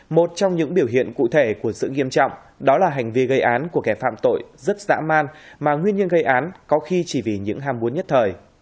một trong những biểu hiện cụ thể của sự nghiêm trọng đó là hành vi gây án của kẻ phạm tội rất dã man mà nguyên nhân gây án có khi chỉ vì những ham muốn nhất thời